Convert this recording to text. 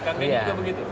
kayaknya juga begitu